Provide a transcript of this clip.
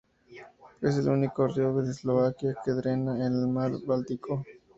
Es el único río que de Eslovaquia que drena en el mar Báltico.